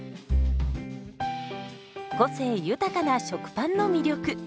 個性豊かな食パンの魅力。